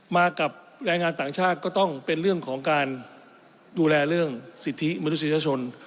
มากับแรงงานต่างชาติก็ต้องเป็นเรื่องของการดูแลเรื่องสิทธิมนุษยชน